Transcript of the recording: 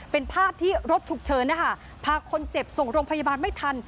เป็นภาพที่รถฉุกเฉินนะคะพาคนเจ็บส่งโรงพยาบาลไม่ทัน